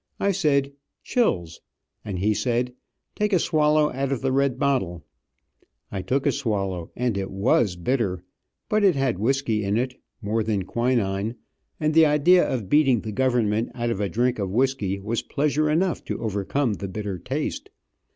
I said "chills," and he said, "Take a swallow out of the red bottle." I took a swallow, and it was bitter, but it had whisky in it, more than quinine, and the idea of beating the government out of a drink of whisky was pleasure enough to overcome the bitter taste.